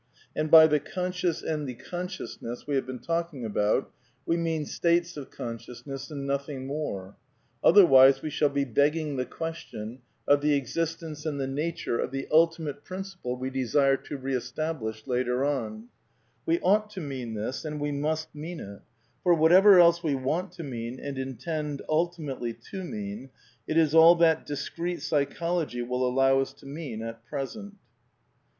And by the " Conscious " and the " Con PAN PSYCHISM OF SAMUEL BUTLER 13 sciousness " we have been talking about we mean states of consciousness and nothing more; otherwise we shall be begging the question of the existence and the nature of the ultimate principle we desire to re establish later on. We ought to mean this, and we must mean it ; for, what ever else we want to mean and intend ultimately to mean, it is all that discreet Psychology will allow us to mean at present.